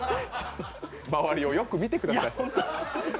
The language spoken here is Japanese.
周りをよく見てください。